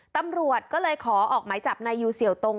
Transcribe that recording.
ตำรวจก็เลยขอออกหมายจับนายยูเสี่ยวตรง